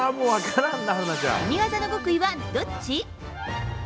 神技の極意はどっち？